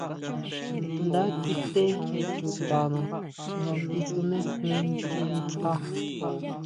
Nda kité chutana nga kisunejún ndsa.